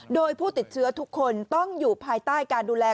โดยผู้ติดเชื้อทุกคนต้องอยู่ภายใต้การดูแล